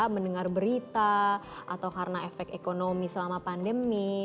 mendengar berita atau karena efek ekonomi selama pandemi